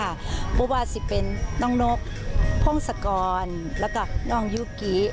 แต่ว่าเป็นน้องเหนาโพงสกรแล้วก็น้องยูกิ